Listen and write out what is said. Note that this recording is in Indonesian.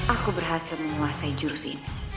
aku berhasil menguasai jurus ini